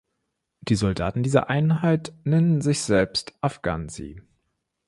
Die Soldaten dieser Einheit nennen sich selbst "Afganzy".